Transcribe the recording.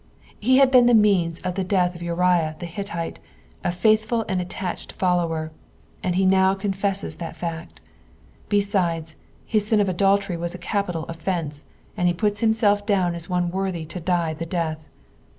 lie had been the means of the death of Uriah, the Hittitc, a faithful ond attached follower, and he now con fesses that fact. Besides, bis sin of adultery was a capital offence, und he puts himself down as one worthy to die the death.